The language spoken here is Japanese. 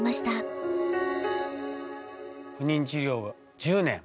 不妊治療が１０年。